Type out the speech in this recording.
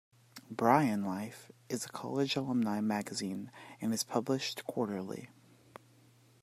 "Bryan Life" is the college's alumni magazine and is published quarterly.